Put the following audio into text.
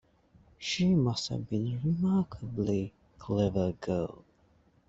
She must have been a remarkably clever girl.